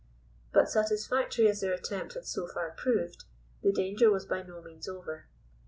But satisfactory as their attempt had so far proved, the danger was by no means over.